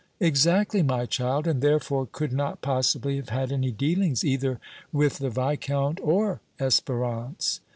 "Exactly, my child, and therefore could not possibly have had any dealings either with the Viscount or Espérance."